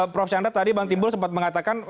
prof chandra tadi bang timbul sempat mengatakan